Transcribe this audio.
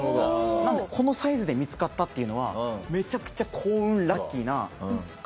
なのでこのサイズで見付かったっていうのはめちゃくちゃ幸運ラッキーな亀ですね。